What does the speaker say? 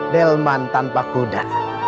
delman tanpa kuda